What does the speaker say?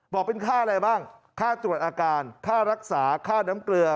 บอกเป็นค่าอะไรบ้างค่าตรวจอาการค่ารักษาค่าน้ำเกลือ